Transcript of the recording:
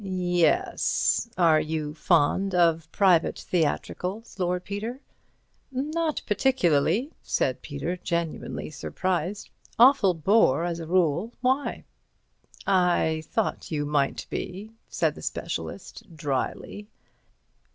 "Yes. Are you fond of private theatricals, Lord Peter?" "Not particularly," said Peter, genuinely surprised. "Awful bore as a rule. Why?" "I thought you might be," said the specialist, drily.